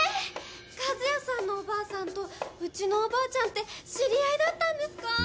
和也さんのおばあさんとうちのおばあちゃんって知り合いだったんですか？